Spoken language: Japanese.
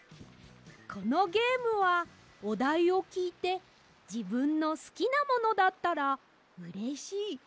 このゲームはおだいをきいて「じぶんのすきなものだったらうれしい。